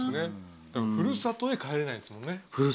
ふるさとへ帰れないですもんね。